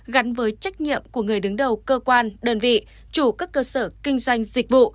gắn với trách nhiệm của người đứng đầu cơ quan đơn vị chủ các cơ sở kinh doanh dịch vụ